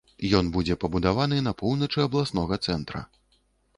Ён будзе пабудаваны на поўначы абласнога цэнтра.